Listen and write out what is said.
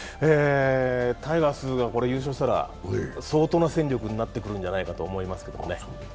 タイガースが優勝したら相当な戦力になってくるんじゃないかと思いますけどね。